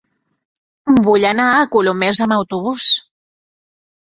Vull anar a Colomers amb autobús.